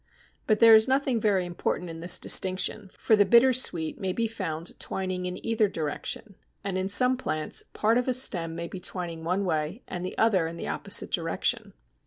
But there is nothing very important in this distinction, for the Bittersweet may be found twining in either direction, and in some plants part of a stem may be twining one way and the other in the opposite direction.